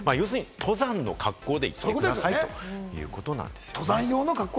いわゆる登山の格好で行ってくださいということなんですね。